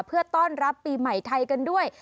เพื่อต้อนรับปีใหม่ไทยกันด้วย